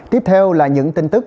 tiếp theo là những tin tức